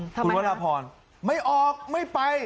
ทำไมครับคุณวราภรไม่ออกไม่ไป